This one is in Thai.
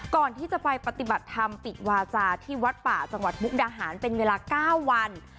ก่อนที่จะไปปฏิบัติธรรมปิวาจาที่วัดป่าจังหวัดมุกดาหารเป็นเวลา๙วัน